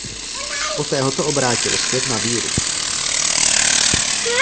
Poté ho to obrátilo zpět na víru.